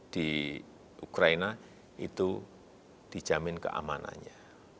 di ukraina itu dijamin keamanannya